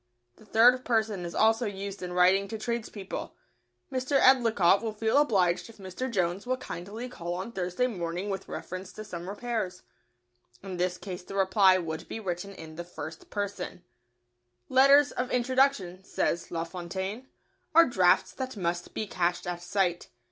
The third person is also used in writing to tradespeople: "Mr. Edlicott will feel obliged if Mr. Jones will kindly call on Thursday morning with reference to some repairs." In this case the reply would be written in the first person. [Sidenote: Letters of introduction.] Letters of introduction, says La Fontaine, "are drafts that must be cashed at sight."